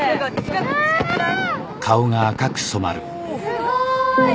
すごーい。